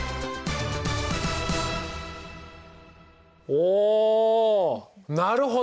おなるほど。